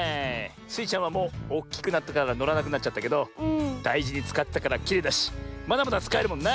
スイちゃんはもうおっきくなったからのらなくなっちゃったけどだいじにつかってたからきれいだしまだまだつかえるもんな。